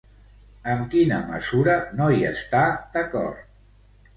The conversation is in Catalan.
Amb quina mesura no hi està d'acord?